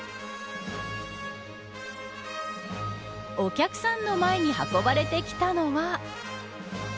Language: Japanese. お客さんの前に運ばれてきたのは。